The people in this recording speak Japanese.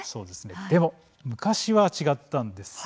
でも、昔は違ったんです。